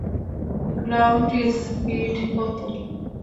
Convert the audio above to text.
Ground speed কত?